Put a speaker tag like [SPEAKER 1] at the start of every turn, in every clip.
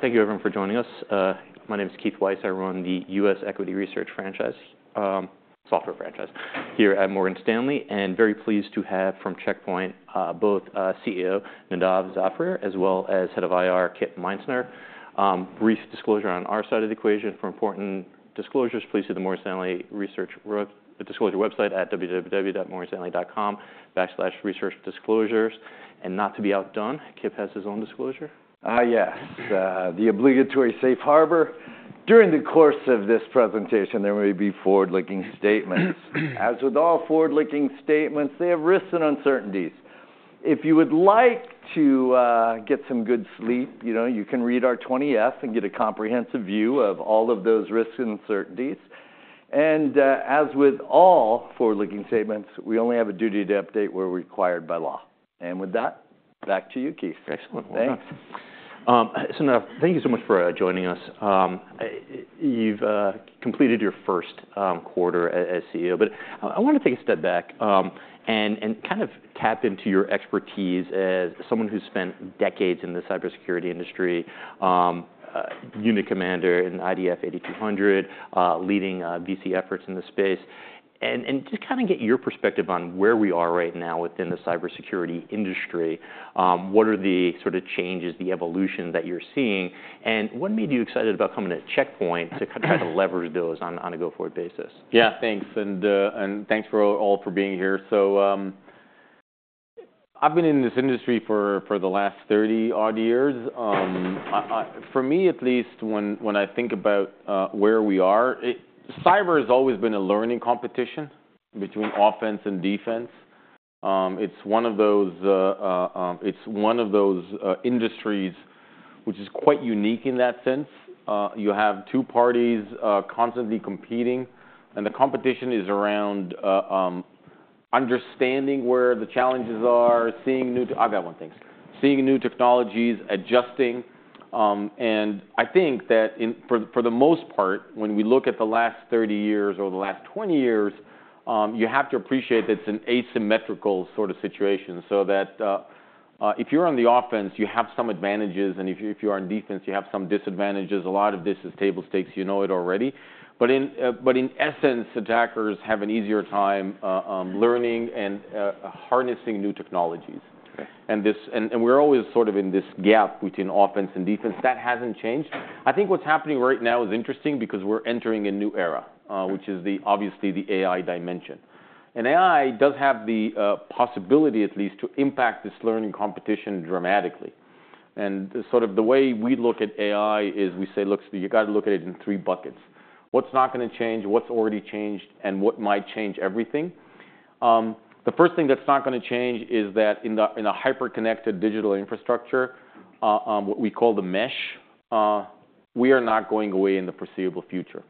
[SPEAKER 1] Thank you, everyone, for joining us. My name is Keith Weiss. I run the U.S. Equity Research franchise, Software franchise, here at Morgan Stanley, and very pleased to have from Check Point, both, CEO Nadav Zafrir as well as Head of IR Kip Meintzer. Brief disclosure on our side of the equation. For important disclosures, please see the Morgan Stanley Research Disclosure website at www.morganstanley.com/researchdisclosures. Kip has his own disclosure.
[SPEAKER 2] Yes. The obligatory safe harbor. During the course of this presentation, there may be forward-looking statements. As with all forward-looking statements, they have risks and uncertainties. If you would like to get some good sleep, you know, you can read our 20-F and get a comprehensive view of all of those risks and uncertainties. And, as with all forward-looking statements, we only have a duty to update where required by law. And with that, back to you, Keith.
[SPEAKER 1] Excellent. Thanks. So now, thank you so much for joining us. You've completed your first quarter as CEO, but I want to take a step back and kind of tap into your expertise as someone who's spent decades in the cybersecurity industry, unit commander in IDF 8200, leading VC efforts in the space, and just kind of get your perspective on where we are right now within the cybersecurity industry. What are the sort of changes, the evolution that you're seeing, and what made you excited about coming to Check Point to kind of leverage those on a go-forward basis?
[SPEAKER 3] Yeah, thanks. And thanks for all for being here. So, I've been in this industry for the last 30-odd years. For me, at least, when I think about where we are, cyber has always been a learning competition between offense and defense. It's one of those industries which is quite unique in that sense. You have two parties, constantly competing, and the competition is around understanding where the challenges are, seeing new technologies, adjusting. And I think that for the most part, when we look at the last 30 years or the last 20 years, you have to appreciate that it's an asymmetrical sort of situation so that if you're on the offense, you have some advantages, and if you're on defense, you have some disadvantages. A lot of this is table stakes. You know it already. But in essence, attackers have an easier time learning and harnessing new technologies.
[SPEAKER 1] Okay.
[SPEAKER 3] We're always sort of in this gap between offense and defense. That hasn't changed. I think what's happening right now is interesting because we're entering a new era, which is, obviously, the AI dimension. And AI does have the possibility, at least, to impact this learning competition dramatically. And sort of the way we look at AI is we say, "Look, you gotta look at it in three buckets: what's not gonna change, what's already changed, and what might change everything." The first thing that's not gonna change is that in a hyper-connected digital infrastructure, what we call the mesh, we are not going away in the foreseeable future.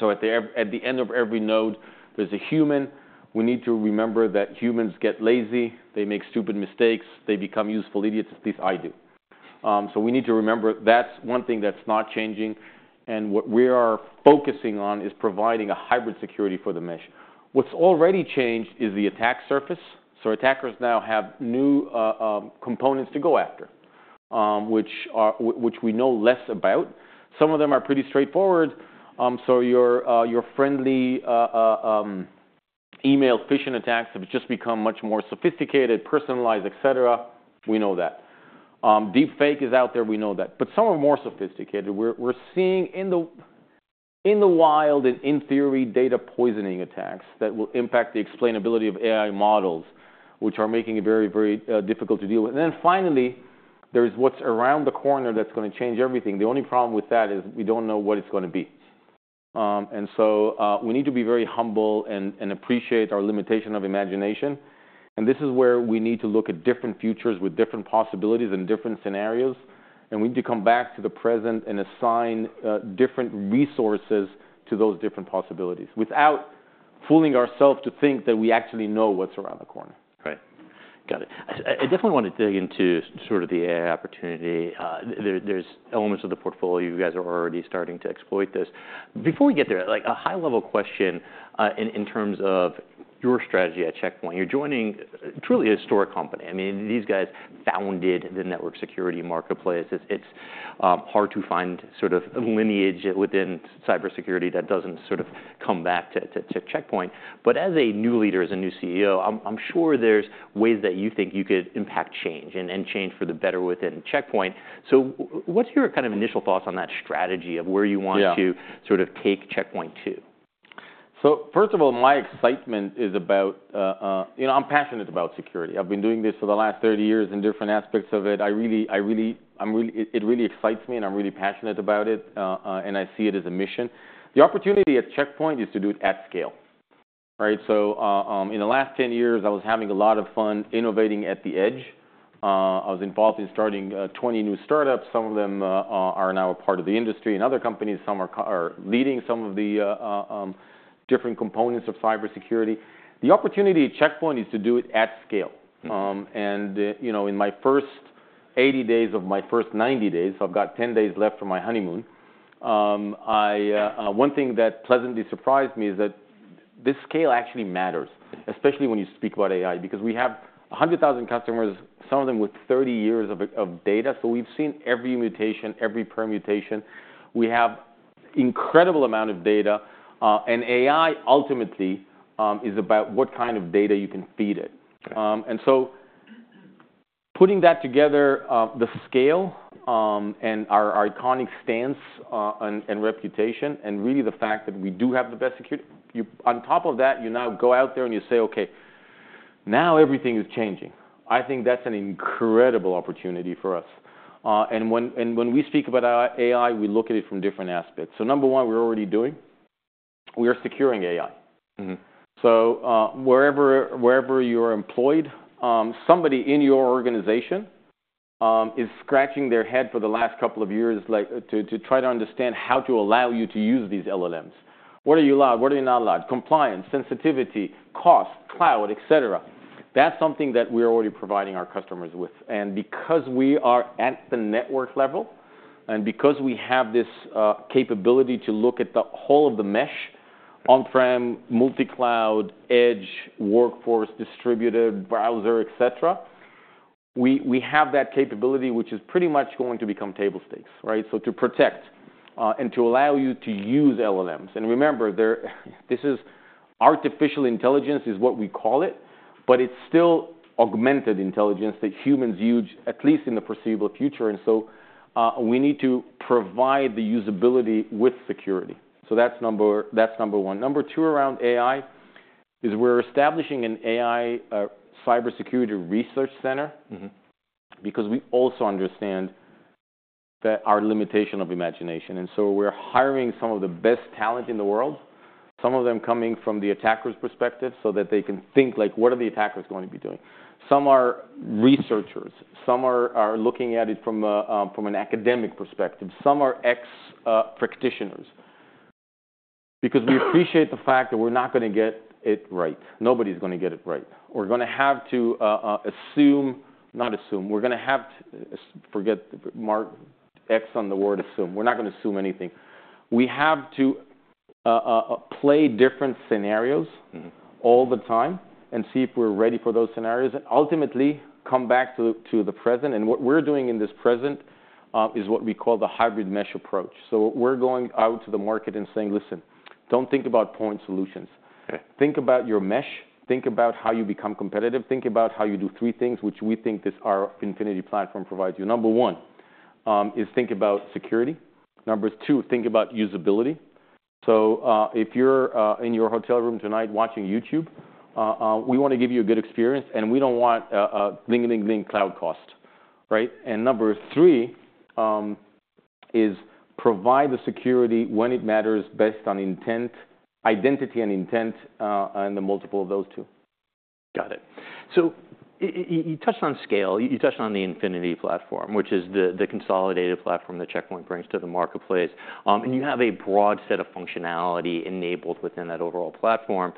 [SPEAKER 3] So at the end of every node, there's a human. We need to remember that humans get lazy, they make stupid mistakes, they become useful idiots, at least I do. So we need to remember that's one thing that's not changing, and what we are focusing on is providing a hybrid security for the mesh. What's already changed is the attack surface, so attackers now have new components to go after, which we know less about. Some of them are pretty straightforward, so your friendly email phishing attacks have just become much more sophisticated, personalized, etc. We know that. Deepfake is out there. We know that. But some are more sophisticated. We're seeing in the wild and in theory data poisoning attacks that will impact the explainability of AI models, which are making it very, very difficult to deal with, and then finally, there's what's around the corner that's gonna change everything. The only problem with that is we don't know what it's gonna be. And so, we need to be very humble and appreciate our limitation of imagination. And this is where we need to look at different futures with different possibilities and different scenarios. And we need to come back to the present and assign different resources to those different possibilities without fooling ourselves to think that we actually know what's around the corner.
[SPEAKER 1] Right. Got it. I definitely want to dig into sort of the AI opportunity. There, there's elements of the portfolio. You guys are already starting to exploit this. Before we get there, like, a high-level question, in terms of your strategy at Check Point. You're joining truly a historic company. I mean, these guys founded the network security marketplace. It's hard to find sort of a lineage within cybersecurity that doesn't sort of come back to Check Point. But as a new leader, as a new CEO, I'm sure there's ways that you think you could impact change and change for the better within Check Point. So what's your kind of initial thoughts on that strategy of where you want to sort of take Check Point to?
[SPEAKER 3] So first of all, my excitement is about, you know, I'm passionate about security. I've been doing this for the last 30 years in different aspects of it. I really, it really excites me, and I'm really passionate about it. I see it as a mission. The opportunity at Check Point is to do it at scale, right? So, in the last 10 years, I was having a lot of fun innovating at the edge. I was involved in starting 20 new startups. Some of them are now a part of the industry in other companies. Some are leading some of the different components of cybersecurity. The opportunity at Check Point is to do it at scale. You know, in my first 80 days of my first 90 days, so I've got 10 days left for my honeymoon. One thing that pleasantly surprised me is that this scale actually matters, especially when you speak about AI, because we have 100,000 customers, some of them with 30 years of data. So we've seen every mutation, every permutation. We have an incredible amount of data, and AI ultimately is about what kind of data you can feed it.
[SPEAKER 1] Okay.
[SPEAKER 3] And so, putting that together, the scale, and our iconic stance, and reputation, and really the fact that we do have the best security. You, on top of that, now go out there and you say, "Okay, now everything is changing." I think that's an incredible opportunity for us. And when we speak about AI, we look at it from different aspects. So, number one, we're already doing. We are securing AI. Wherever you're employed, somebody in your organization is scratching their head for the last couple of years, like, to try to understand how to allow you to use these LLMs. What are you allowed? What are you not allowed? Compliance, sensitivity, cost, cloud, etc. That's something that we are already providing our customers with. And because we are at the network level and because we have this capability to look at the whole of the mesh: on-prem, multi-cloud, edge, workforce, distributed, browser, etc., we have that capability, which is pretty much going to become table stakes, right? So to protect and to allow you to use LLMs. And remember, this is artificial intelligence—what we call it—but it's still augmented intelligence that humans use, at least in the foreseeable future. And so, we need to provide the usability with security. So that's number one. Number two around AI is we're establishing an AI Cybersecurity Research Center. Because we also understand that our limitation of imagination, and so we're hiring some of the best talent in the world, some of them coming from the attacker's perspective so that they can think, like, what are the attackers going to be doing. Some are researchers. Some are looking at it from an academic perspective. Some are ex-practitioners. Because we appreciate the fact that we're not gonna get it right. Nobody's gonna get it right. We're gonna have to assume not assume. We're gonna have to forget the mark, on the word assume. We're not gonna assume anything. We have to play different scenarios. All the time and see if we're ready for those scenarios and ultimately come back to, to the present, and what we're doing in this present, is what we call the Hybrid esh approach, so we're going out to the market and saying, "Listen, don't think about point solutions.
[SPEAKER 1] Okay.
[SPEAKER 3] Think about your mesh. Think about how you become competitive. Think about how you do three things which we think this, our Infinity Platform, provides you. Number one is think about security. Number two, think about usability. So, if you're in your hotel room tonight watching YouTube, we wanna give you a good experience, and we don't want ding-ding-ding cloud cost, right? And number three is provide the security when it matters based on intent, identity and intent, and the multiple of those two.
[SPEAKER 1] Got it, so you touched on scale. You touched on the Infinity platform, which is the consolidated platform that Check Point brings to the marketplace, and you have a broad set of functionality enabled within that overall platform.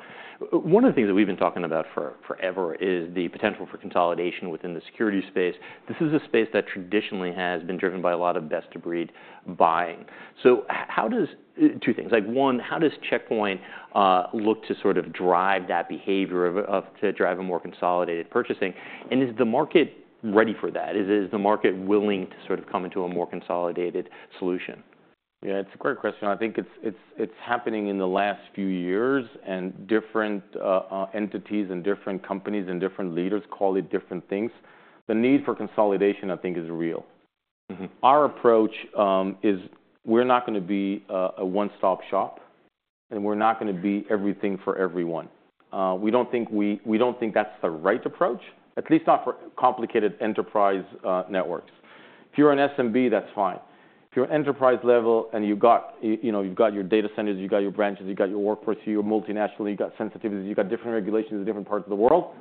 [SPEAKER 1] One of the things that we've been talking about for forever is the potential for consolidation within the security space. This is a space that traditionally has been driven by a lot of best-of-breed buying. So how does two things, like, one, how does Check Point look to sort of drive that behavior of to drive a more consolidated purchasing, and is the market ready for that? Is the market willing to sort of come into a more consolidated solution?
[SPEAKER 3] Yeah, it's a great question. I think it's happening in the last few years, and different entities and different companies and different leaders call it different things. The need for consolidation, I think, is real. Our approach is we're not gonna be a one-stop shop, and we're not gonna be everything for everyone. We don't think that's the right approach, at least not for complicated enterprise networks. If you're an SMB, that's fine. If you're an enterprise level and you've got, you know, you've got your data centers, you've got your branches, you've got your workforce, you're multinational, you've got sensitivities, you've got different regulations in different parts of the world,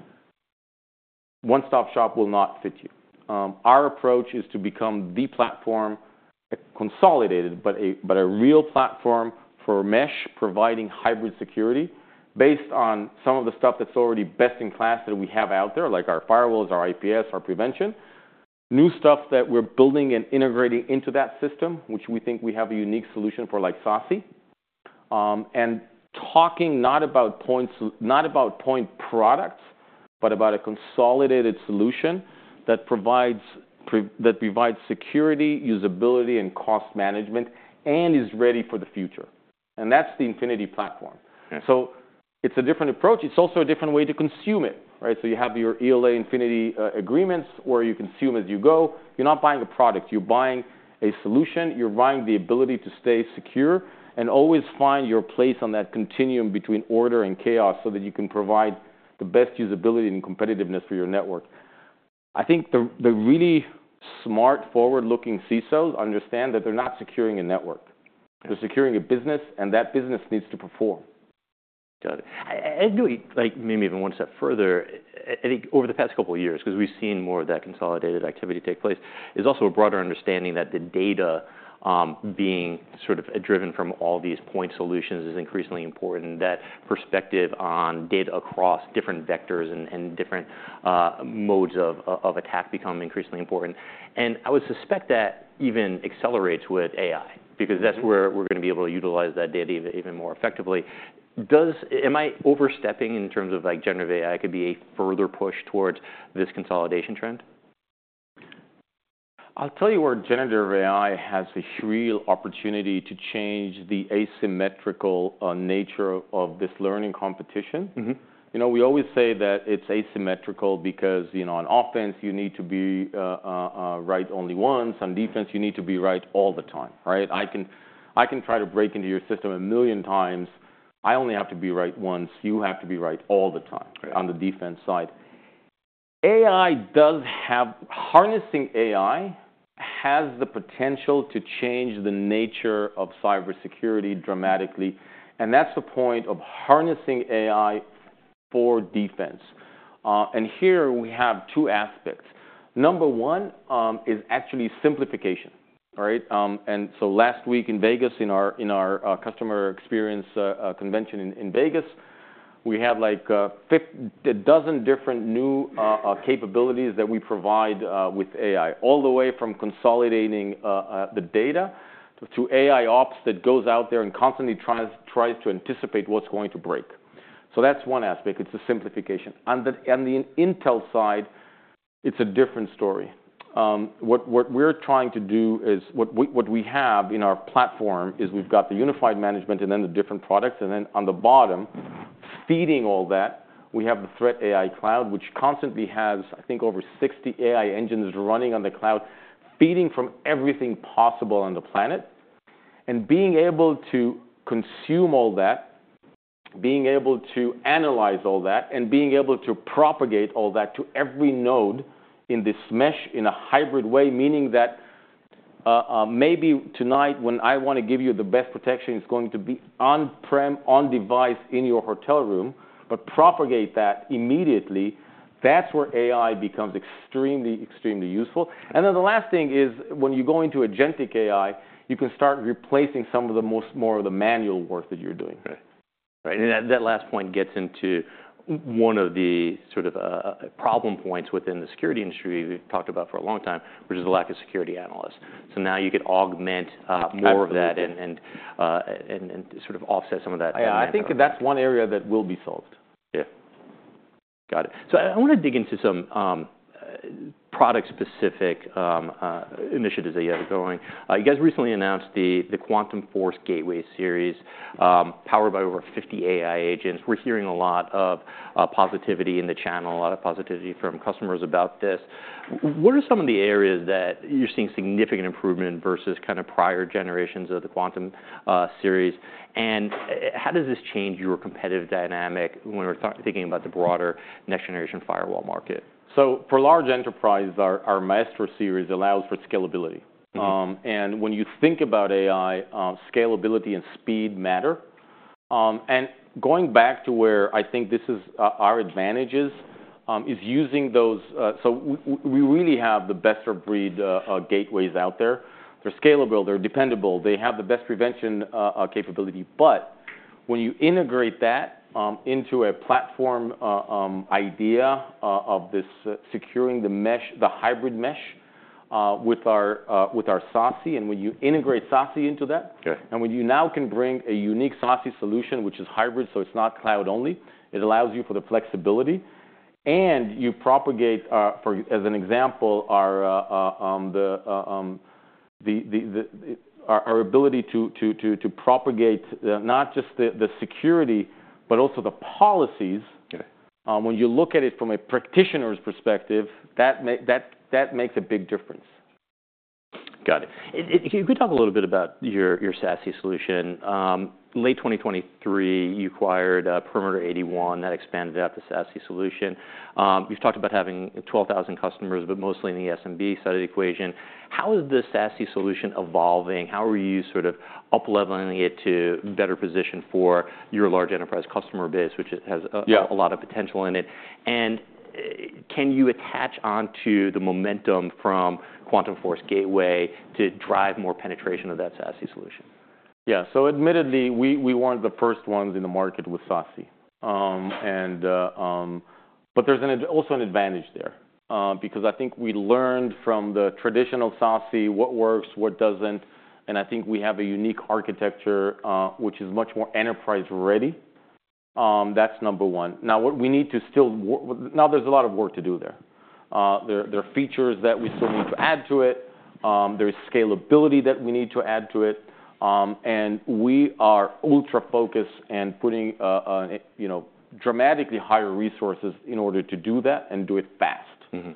[SPEAKER 3] one-stop shop will not fit you. Our approach is to become the platform, consolidated, but a real platform for mesh providing hybrid security based on some of the stuff that's already best in class that we have out there, like our firewalls, our IPS, our prevention, new stuff that we're building and integrating into that system, which we think we have a unique solution for, like SASE. And talking not about point products, but about a consolidated solution that provides security, usability, and cost management, and is ready for the future. That's the Infinity Platform.
[SPEAKER 1] Okay.
[SPEAKER 3] So it's a different approach. It's also a different way to consume it, right? So you have your ELA Infinity agreements where you consume as you go. You're not buying a product. You're buying a solution. You're buying the ability to stay secure and always find your place on that continuum between order and chaos so that you can provide the best usability and competitiveness for your network. I think the really smart, forward-looking CISOs understand that they're not securing a network. They're securing a business, and that business needs to perform.
[SPEAKER 1] Got it. I agree. Like, maybe even one step further, I think over the past couple of years, 'cause we've seen more of that consolidated activity take place, is also a broader understanding that the data, being sort of driven from all these point solutions, is increasingly important, that perspective on data across different vectors and different modes of attack become increasingly important. And I would suspect that even accelerates with AI because that's where we're gonna be able to utilize that data even more effectively. Am I overstepping in terms of, like, generative AI could be a further push towards this consolidation trend?
[SPEAKER 3] I'll tell you where generative AI has a real opportunity to change the asymmetrical nature of this learning competition. You know, we always say that it's asymmetrical because, you know, on offense, you need to be right only once. On defense, you need to be right all the time, right? I can try to break into your system a million times. I only have to be right once. You have to be right all the time.
[SPEAKER 1] Right.
[SPEAKER 3] On the defense side, harnessing AI has the potential to change the nature of cybersecurity dramatically. That's the point of harnessing AI for defense. Here we have two aspects. Number one is actually simplification, right, and so last week in Vegas, in our customer experience convention in Vegas, we have like a dozen different new capabilities that we provide with AI, all the way from consolidating the data to AIOps that goes out there and constantly tries to anticipate what's going to break. So that's one aspect. It's the simplification. On the intel side, it's a different story. What we're trying to do is what we have in our platform is we've got the unified management and then the different products. And then on the bottom, feeding all that, we have the ThreatCloud AI, which constantly has, I think, over 60 AI engines running on the cloud, feeding from everything possible on the planet and being able to consume all that, being able to analyze all that, and being able to propagate all that to every node in this mesh in a hybrid way, meaning that, maybe tonight when I wanna give you the best protection, it's going to be on-prem, on-device in your hotel room, but propagate that immediately. That's where AI becomes extremely, extremely useful. And then the last thing is when you go into agentic AI, you can start replacing some of the most of the manual work that you're doing.
[SPEAKER 1] Right. And that last point gets into one of the sort of problem points within the security industry we've talked about for a long time, which is the lack of security analysts. So now you could augment more of that and sort of offset some of that.
[SPEAKER 3] I think that that's one area that will be solved.
[SPEAKER 1] Yeah. Got it. So I wanna dig into some product-specific initiatives that you have going. You guys recently announced the Quantum Force Gateway series, powered by over 50 AI agents. We're hearing a lot of positivity in the channel, a lot of positivity from customers about this. What are some of the areas that you're seeing significant improvement versus kind of prior generations of the Quantum series? And how does this change your competitive dynamic when we're thinking about the broader next-generation firewall market?
[SPEAKER 3] For large enterprises, our Maestro allows for scalability. And when you think about AI, scalability and speed matter. And going back to where I think this is, our advantages, is using those, so we really have the best-of-breed gateways out there. They're scalable. They're dependable. They have the best prevention capability. But when you integrate that into a platform idea of this securing the mesh, the hybrid mesh, with our SASE, and when you integrate SASE into that.
[SPEAKER 1] Okay.
[SPEAKER 3] And when you now can bring a unique SASE solution, which is hybrid, so it's not cloud-only, it allows you for the flexibility. And you propagate, for as an example, our ability to propagate, not just the security, but also the policies.
[SPEAKER 1] Okay.
[SPEAKER 3] When you look at it from a practitioner's perspective, that makes a big difference.
[SPEAKER 1] Got it. If you could talk a little bit about your SASE solution. Late 2023, you acquired Perimeter 81. That expanded out the SASE solution. You've talked about having 12,000 customers, but mostly in the SMB side of the equation. How is the SASE solution evolving? How are you sort of up-leveling it to better position for your large enterprise customer base, which it has.
[SPEAKER 3] Yeah.
[SPEAKER 1] A lot of potential in it? And can you attach onto the momentum from Quantum Force Gateway to drive more penetration of that SASE solution?
[SPEAKER 3] Yeah. So admittedly, we weren't the first ones in the market with SASE. But there's also an advantage there, because I think we learned from the traditional SASE what works, what doesn't. And I think we have a unique architecture, which is much more enterprise-ready. That's number one. Now, what we still need to do now, there's a lot of work to do there. There are features that we still need to add to it. There is scalability that we need to add to it. And we are ultra-focused and putting, you know, dramatically higher resources in order to do that and do it fast.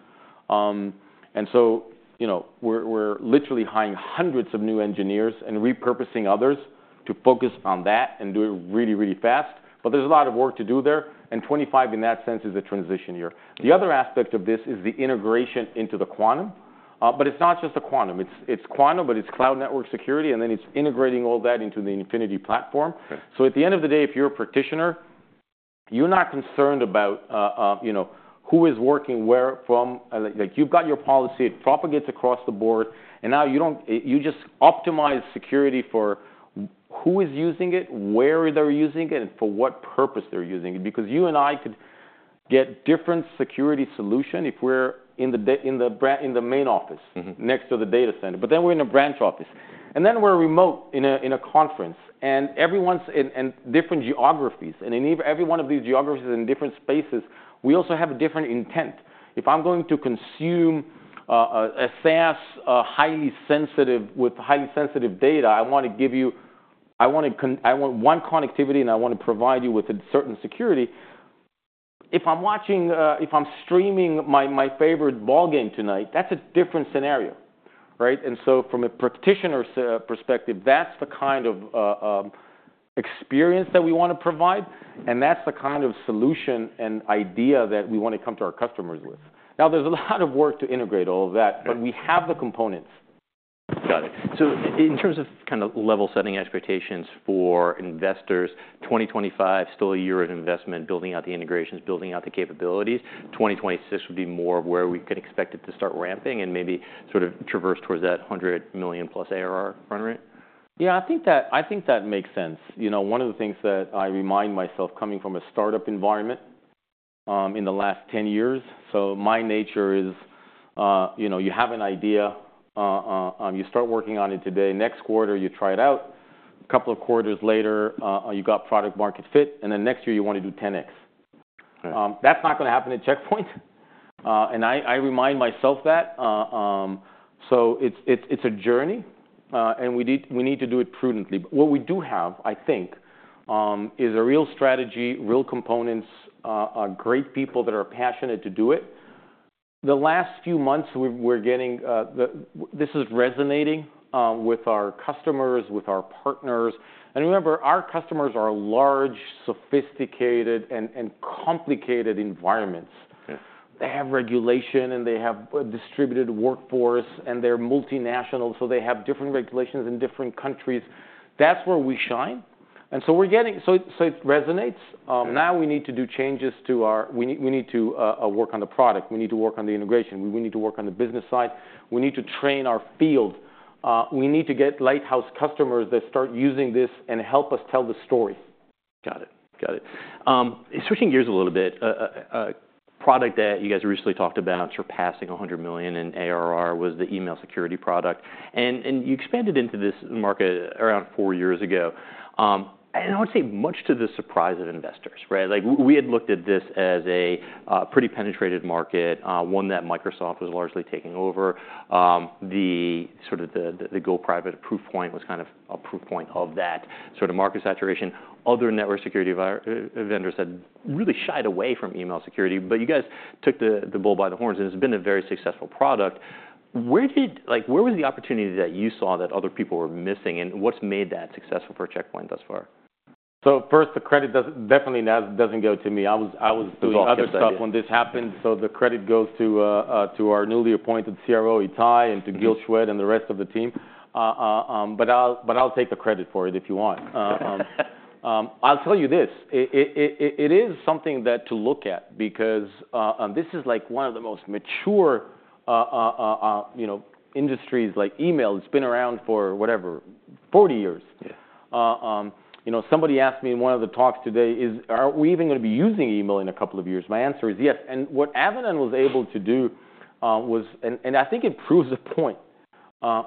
[SPEAKER 3] And so, you know, we're literally hiring hundreds of new engineers and repurposing others to focus on that and do it really, really fast. But there's a lot of work to do there. And 2025, in that sense, is a transition year. The other aspect of this is the integration into the Quantum. But it's not just the Quantum. It's Quantum, but it's cloud network security, and then it's integrating all that into the Infinity Platform.
[SPEAKER 1] Okay.
[SPEAKER 3] So at the end of the day, if you're a practitioner, you're not concerned about, you know, who is working where from, like, you've got your policy. It propagates across the board. And now you just optimize security for who is using it, where they're using it, and for what purpose they're using it. Because you and I could get different security solution if we're in the branch in the main office. Next to the data center. But then we're in a branch office. And then we're remote in a conference. And everyone's in different geographies. And in every one of these geographies and different spaces, we also have a different intent. If I'm going to consume a SaaS highly sensitive with highly sensitive data, I want one connectivity, and I want to provide you with a certain security. If I'm watching if I'm streaming my favorite ball game tonight, that's a different scenario, right? And so from a practitioner's perspective, that's the kind of experience that we want to provide. And that's the kind of solution and idea that we want to come to our customers with. Now, there's a lot of work to integrate all of that.
[SPEAKER 1] Okay.
[SPEAKER 3] But we have the components.
[SPEAKER 1] Got it. So in terms of kind of level-setting expectations for investors, 2025, still a year of investment, building out the integrations, building out the capabilities. 2026 would be more of where we can expect it to start ramping and maybe sort of traverse towards that 100 million-plus ARR run rate?
[SPEAKER 3] Yeah, I think that makes sense. You know, one of the things that I remind myself coming from a startup environment, in the last 10 years, so my nature is, you know, you have an idea, you start working on it today. Next quarter, you try it out. Couple of quarters later, you got product-market fit. And then next year, you wanna do 10x.
[SPEAKER 1] Right.
[SPEAKER 3] That's not gonna happen at Check Point, and I remind myself that, so it's a journey, and we need to do it prudently. But what we do have, I think, is a real strategy, real components, great people that are passionate to do it. The last few months, we're getting. This is resonating with our customers, with our partners. And remember, our customers are large, sophisticated, and complicated environments.
[SPEAKER 1] Yeah.
[SPEAKER 3] They have regulation, and they have a distributed workforce, and they're multinational, so they have different regulations in different countries. That's where we shine, and so we're getting so, so it resonates. Now we need to do changes to our sales. We need to work on the product. We need to work on the integration. We need to work on the business side. We need to train our field. We need to get lighthouse customers that start using this and help us tell the story.
[SPEAKER 1] Got it. Got it. Switching gears a little bit, product that you guys recently talked about surpassing 100 million in ARR was the email security product. And you expanded into this market around four years ago. I would say much to the surprise of investors, right? Like, we had looked at this as a pretty penetrated market, one that Microsoft was largely taking over. The sort of go-private Proofpoint was kind of a proof point of that sort of market saturation. Other network security vendors had really shied away from email security, but you guys took the bull by the horns, and it's been a very successful product. Where did like, where was the opportunity that you saw that other people were missing? And what's made that successful for Check Point thus far?
[SPEAKER 3] First, the credit definitely doesn't go to me. I was doing other stuff when this happened.
[SPEAKER 1] There's all the credit.
[SPEAKER 3] So the credit goes to our newly appointed CSO, Itai, and to Gil Shwed, and the rest of the team. But I'll take the credit for it if you want.
[SPEAKER 1] Sure.
[SPEAKER 3] I'll tell you this. It is something that to look at because, this is like one of the most mature, you know, industries like email. It's been around for whatever, 40 years.
[SPEAKER 1] Yeah.
[SPEAKER 3] You know, somebody asked me in one of the talks today, "Are we even gonna be using email in a couple of years?" My answer is yes. And what Avanan was able to do, I think it proves a point.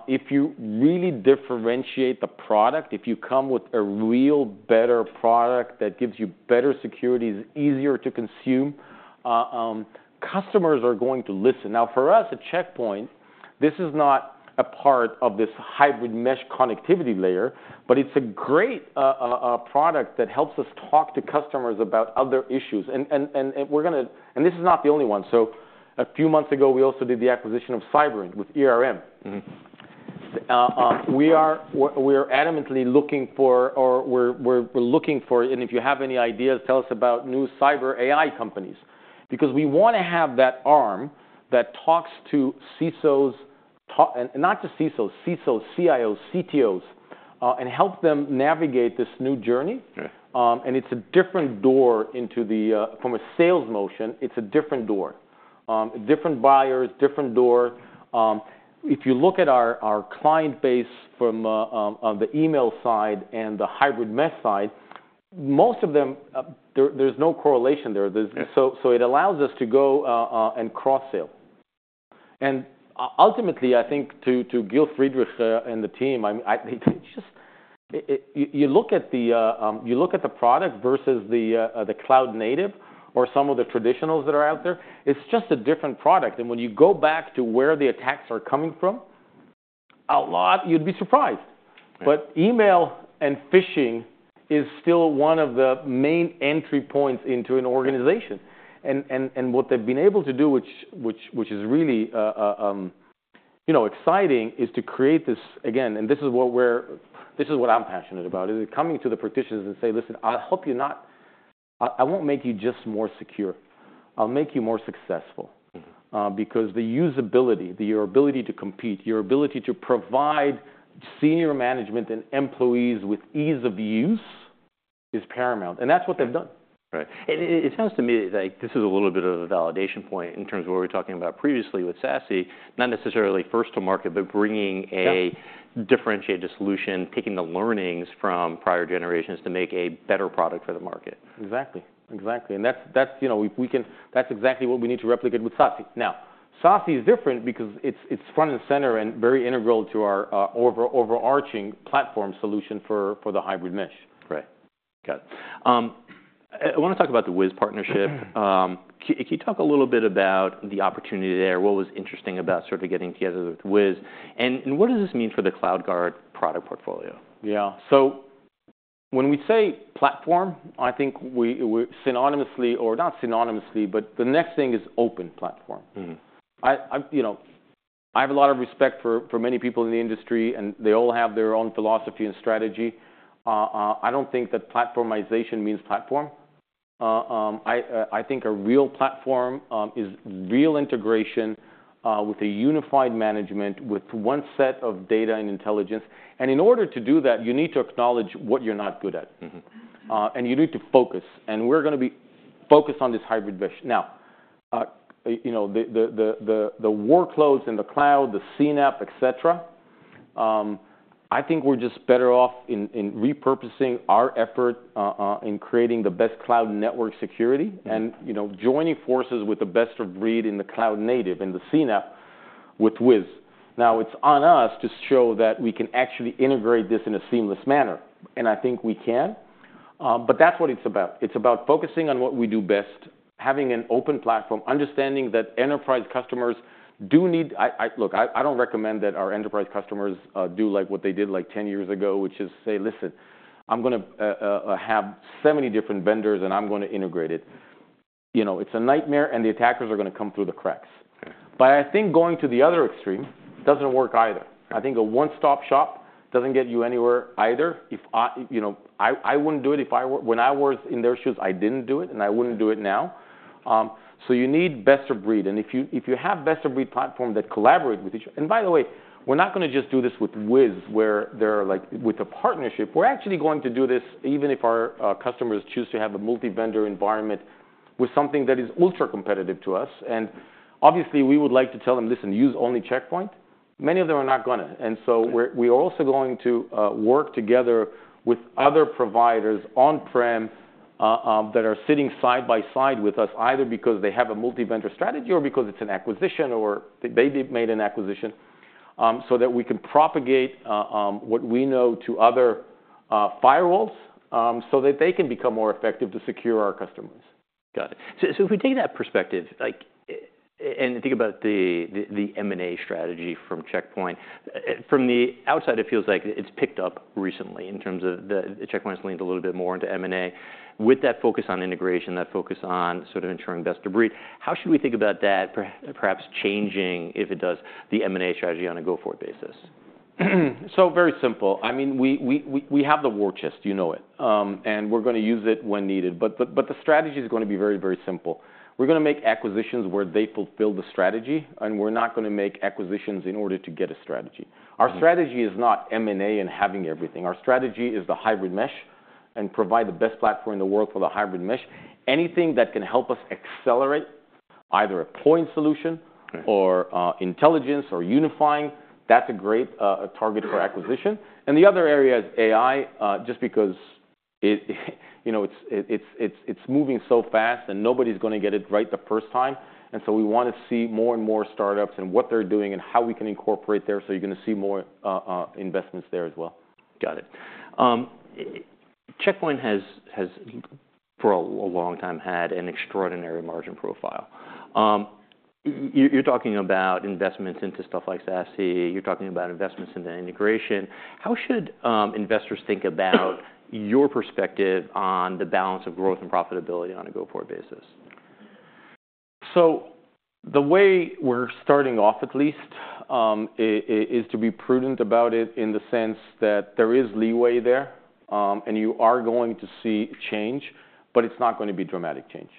[SPEAKER 3] If you really differentiate the product, if you come with a real better product that gives you better security, is easier to consume, customers are going to listen. Now, for us at Check Point, this is not a part of this Hybrid Mesh connectivity layer, but it's a great product that helps us talk to customers about other issues. And we're gonna, and this is not the only one. So a few months ago, we also did the acquisition of Cyberint with We're adamantly looking for, and if you have any ideas, tell us about new cyber AI companies because we wanna have that arm that talks to CISOs too and not just CISOs, CIOs, CTOs, and help them navigate this new journey.
[SPEAKER 1] Right.
[SPEAKER 3] and it's a different door into the, from a sales motion, it's a different door. Different buyers, different door. If you look at our, our client base from, on the email side and the hybrid mesh side, most of them, there, there's no correlation there. There's.
[SPEAKER 1] Yeah.
[SPEAKER 3] So it allows us to go and cross-sell. And ultimately, I think to Gil Shwed and the team, I mean, it's just it. You look at the product versus the cloud-native or some of the traditionals that are out there. It's just a different product. And when you go back to where the attacks are coming from, a lot, you'd be surprised.
[SPEAKER 1] Right.
[SPEAKER 3] But email and phishing is still one of the main entry points into an organization. And what they've been able to do, which is really, you know, exciting, is to create this again, and this is what I'm passionate about, is coming to the practitioners and say, "Listen, I hope you're not. I won't make you just more secure. I'll make you more successful. because the usability, your ability to compete, your ability to provide senior management and employees with ease of use is paramount. And that's what they've done.
[SPEAKER 1] Right. And it sounds to me like this is a little bit of a validation point in terms of what we were talking about previously with SASE, not necessarily first to market, but bringing a.
[SPEAKER 3] Right.
[SPEAKER 1] Differentiated solution, taking the learnings from prior generations to make a better product for the market.
[SPEAKER 3] Exactly. Exactly. And that's, you know, we can. That's exactly what we need to replicate with SASE. Now, SASE is different because it's front and center and very integral to our overarching platform solution for the hybrid mesh.
[SPEAKER 1] Right. Got it. I wanna talk about the Wiz partnership.
[SPEAKER 3] Okay.
[SPEAKER 1] Can you talk a little bit about the opportunity there? What was interesting about sort of getting together with Wiz? And, and what does this mean for the CloudGuard product portfolio?
[SPEAKER 3] Yeah, so when we say platform, I think we synonymously or not synonymously, but the next thing is open platform. you know, I have a lot of respect for many people in the industry, and they all have their own philosophy and strategy. I don't think that platformization means platform. I think a real platform is real integration, with a unified management with one set of data and intelligence. And in order to do that, you need to acknowledge what you're not good at. And you need to focus. And we're gonna be focused on this Hybrid Mesh. Now, you know, the workloads in the cloud, the CNAPP, etc., I think we're just better off in repurposing our effort, in creating the best cloud network security. You know, joining forces with the best of breed in the cloud-native and the CNAPP with Wiz. Now, it's on us to show that we can actually integrate this in a seamless manner. And I think we can. But that's what it's about. It's about focusing on what we do best, having an open platform, understanding that enterprise customers do need. I don't recommend that our enterprise customers do like what they did 10 years ago, which is say, "Listen, I'm gonna have 70 different vendors, and I'm gonna integrate it." You know, it's a nightmare, and the attackers are gonna come through the cracks.
[SPEAKER 1] Right.
[SPEAKER 3] But I think going to the other extreme doesn't work either. I think a one-stop shop doesn't get you anywhere either. If I, you know, I wouldn't do it if I were when I was in their shoes. I didn't do it, and I wouldn't do it now. So you need best of breed. And if you have best-of-breed platform that collaborate with each and by the way, we're not gonna just do this with Wiz where they're like with a partnership. We're actually going to do this even if our customers choose to have a multi-vendor environment with something that is ultra-competitive to us. And obviously, we would like to tell them, "Listen, use only Check Point." Many of them are not gonna. So we are also going to work together with other providers on-prem that are sitting side by side with us, either because they have a multi-vendor strategy or because it's an acquisition or they made an acquisition, so that we can propagate what we know to other firewalls so that they can become more effective to secure our customers.
[SPEAKER 1] Got it. So if we take that perspective, like, and think about the M&A strategy from Check Point, from the outside, it feels like it's picked up recently in terms of the Check Point has leaned a little bit more into M&A with that focus on integration, that focus on sort of ensuring best of breed. How should we think about that perhaps changing if it does the M&A strategy on a go-forward basis?
[SPEAKER 3] So, very simple. I mean, we have the war chest. You know it. And we're gonna use it when needed. But the strategy is gonna be very, very simple. We're gonna make acquisitions where they fulfill the strategy, and we're not gonna make acquisitions in order to get a strategy. Our strategy is not M&A and having everything. Our strategy is the Hybrid Mesh and provide the best platform in the world for the Hybrid Mesh. Anything that can help us accelerate either a point solution.
[SPEAKER 1] Right.
[SPEAKER 3] Or intelligence or unifying. That's a great target for acquisition. And the other area is AI, just because it, you know, it's moving so fast, and nobody's gonna get it right the first time. And so we wanna see more and more startups and what they're doing and how we can incorporate there. So you're gonna see more investments there as well.
[SPEAKER 1] Got it. Check Point has for a long time had an extraordinary margin profile. You're talking about investments into stuff like SASE. You're talking about investments into integration. How should investors think about your perspective on the balance of growth and profitability on a go-forward basis?
[SPEAKER 3] So the way we're starting off, at least, is to be prudent about it in the sense that there is leeway there, and you are going to see change, but it's not gonna be a dramatic change.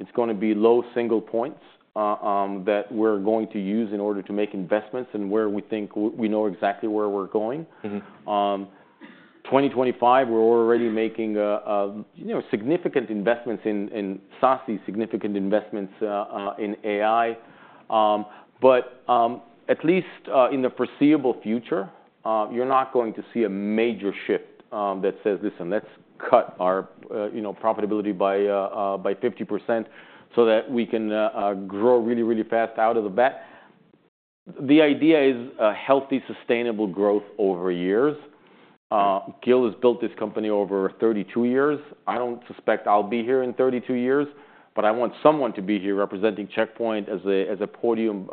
[SPEAKER 3] It's gonna be low single points, that we're going to use in order to make investments and where we think we know exactly where we're going. 2025, we're already making a you know significant investments in SASE, significant investments in AI. But at least in the foreseeable future, you're not going to see a major shift that says, "Listen, let's cut our you know profitability by 50% so that we can grow really really fast out of the bat." The idea is a healthy sustainable growth over years. Gil has built this company over 32 years. I don't suspect I'll be here in 32 years, but I want someone to be here representing Check Point as a podium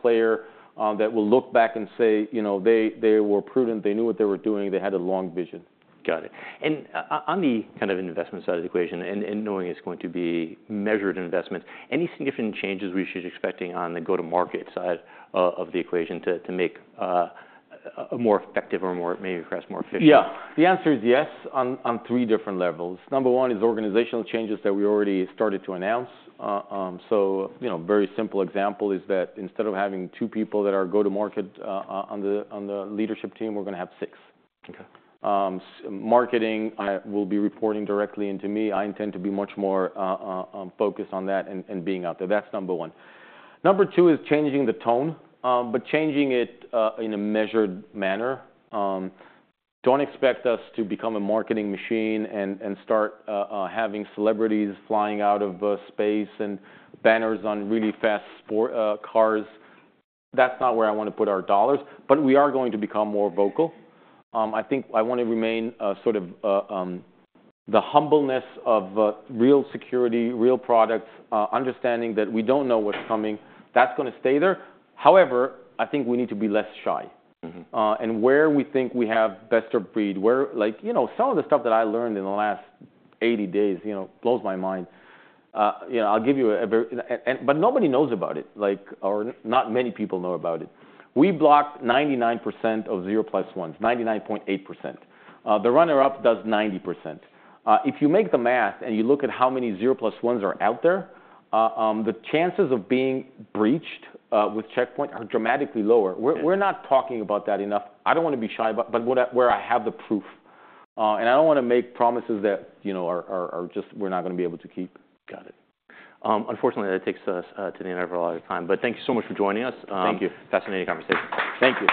[SPEAKER 3] player that will look back and say, you know, they were prudent. They knew what they were doing. They had a long vision.
[SPEAKER 1] Got it. And on the kind of investment side of the equation and knowing it's going to be measured investments, any significant changes we should expecting on the go-to-market side of the equation to make a more effective or more maybe perhaps more efficient?
[SPEAKER 3] Yeah. The answer is yes on three different levels. Number one is organizational changes that we already started to announce. So, you know, very simple example is that instead of having two people that are go-to-market on the leadership team, we're gonna have six.
[SPEAKER 1] Okay.
[SPEAKER 3] Marketing will be reporting directly into me. I intend to be much more focused on that and being out there. That's number one. Number two is changing the tone, but changing it in a measured manner. Don't expect us to become a marketing machine and start having celebrities flying out of space and banners on really fast sports cars. That's not where I wanna put our dollars, but we are going to become more vocal. I think I wanna remain sort of the humbleness of real security, real products, understanding that we don't know what's coming. That's gonna stay there. However, I think we need to be less shy. And where we think we have best of breed, where like, you know, some of the stuff that I learned in the last 80 days, you know, blows my mind. You know, I'll give you a very and, and but nobody knows about it, like, or not many people know about it. We block 99% of zero-days, 99.8%. The runner-up does 90%. If you make the math and you look at how many zero days are out there, the chances of being breached with Check Point are dramatically lower.
[SPEAKER 1] Right.
[SPEAKER 3] We're not talking about that enough. I don't wanna be shy, but what, where I have the proof and I don't wanna make promises that, you know, are just we're not gonna be able to keep.
[SPEAKER 1] Got it. Unfortunately, that takes us to the end of our time but thank you so much for joining us.
[SPEAKER 3] Thank you.
[SPEAKER 1] Fascinating conversation.
[SPEAKER 3] Thank you.